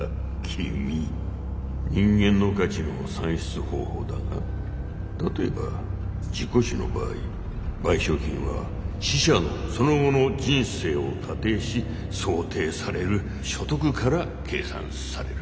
君人間の価値の算出方法だが例えば事故死の場合賠償金は死者のその後の人生を仮定し想定される所得から計算される。